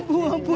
ampun bu ampun